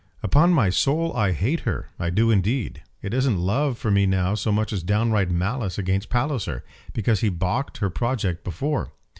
"Upon my soul I hate her. I do indeed. It isn't love for me now so much as downright malice against Palliser, because he baulked her project before.